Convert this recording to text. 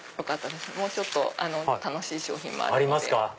もうちょっと楽しい商品もあるので。